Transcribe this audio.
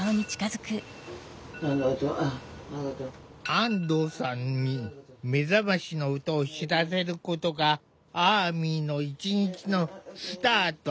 安藤さんに目覚ましの音を知らせることがアーミの一日のスタート。